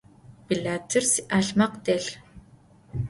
Bilêtır si'alhmekh delh.